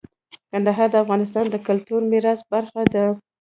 کندهار د افغانستان د کلتوري میراث برخه ده.